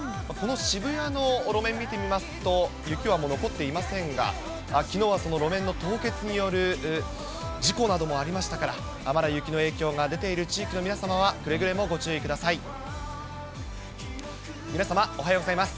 この渋谷の路面見てみますと、雪はもう残っていませんが、きのうはその路面の凍結による事故などもありましたから、まだ雪の影響が出ている地域の皆様は、くれぐれもご注意ください。